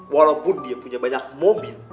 walaupun dia punya banyak mobil